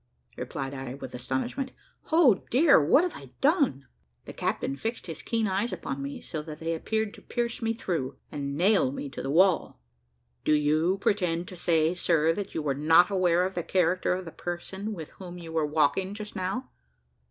replied I, with astonishment, "O dear! what have I done?" The captain fixed his keen eyes upon me, so that they appeared to pierce me through, and nail me to the wall. "Do you pretend to say, sir, that you were not aware of the character of the person with whom you were walking just now?"